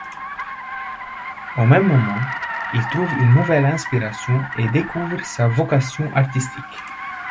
Au même moment, il trouve une nouvelle inspiration et découvre sa vocation artistique.